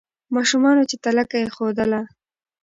ماشومانو چي تلکه ایښودله